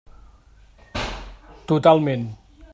Totalment.